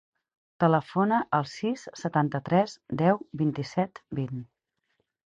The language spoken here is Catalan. Telefona al sis, setanta-tres, deu, vint-i-set, vint.